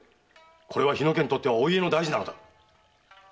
これは日野家にとってはお家の大事だ。